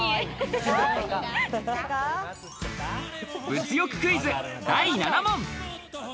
物欲クイズ第７問。